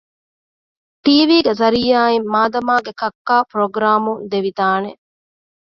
ޓީވީގެ ޒަރިއްޔާއިން މާދަމާގެ ކައްކާ ޕުރޮގްރާމުން ދެވިދާނެ